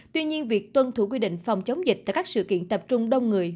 tuy nhiên việc tuân thủ quy định phòng chống dịch tại các sự kiện tập trung đông người